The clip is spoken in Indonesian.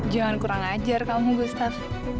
jangan kurang ajar kamu booster